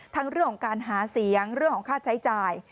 เรื่องของการหาเสียงเรื่องของค่าใช้จ่าย